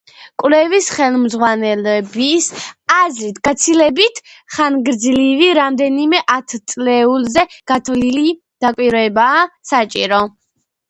კვლევის ხელმძღვანელების აზრით, გაცილებით ხანგრძლივი, რამდენიმე ათწლეულზე გათვლილი დაკვირვებაა საჭირო.